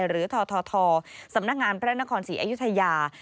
หรือททสำนักงานพระนครศรีอยุธยา